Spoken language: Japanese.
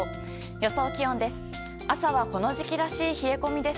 予想気温です。